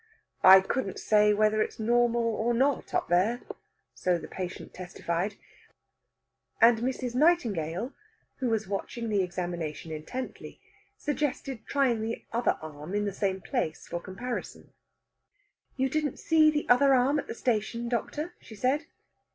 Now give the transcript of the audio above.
"I couldn't say whether it's normal or not up there." So the patient testified. And Mrs. Nightingale, who was watching the examination intently, suggested trying the other arm in the same place for comparison. "You didn't see the other arm at the station, doctor?" she said.